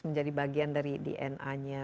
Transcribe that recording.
menjadi bagian dari dna nya